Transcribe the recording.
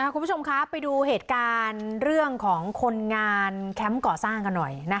คุณผู้ชมคะไปดูเหตุการณ์เรื่องของคนงานแคมป์ก่อสร้างกันหน่อย